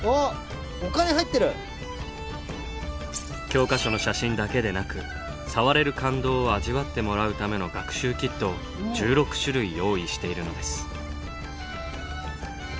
教科書の写真だけでなく触れる感動を味わってもらうための学習キットを１６種類用意しているのです。